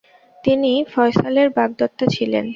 তিনি ফয়সালের বাগদত্তা ছিলেন।